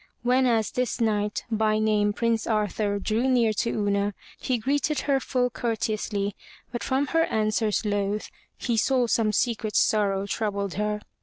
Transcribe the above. Whenas this knight, by name Prince Arthur, drew near to Una, he greeted her full courteously, but from her answers loath, he saw some secret sorrow troubled her.